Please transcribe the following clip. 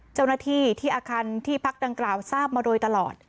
เจ้าหน้าที่ที่อาคารที่พักดังกล่าวทราบมาโดยตลอด